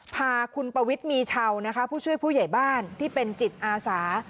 พาคุณปวิทย์มีชาวนะคะผู้ช่วยผู้ใหญ่บ้านที่เป็นจิตอาสา